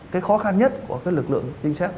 cái khó khăn nhất của lực lượng chính sách